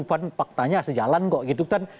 pan faktanya sejalan kok gitu kan